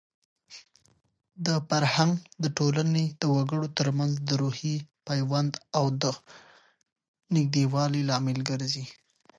فرهنګ د ټولنې د وګړو ترمنځ د روحي پیوند او د نږدېوالي لامل ګرځي.